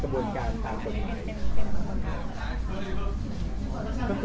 ก็ตามที่ตามที่หนูเกิดออกกว่าเรื่องนี้